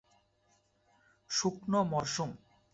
শুকনো মরসুম।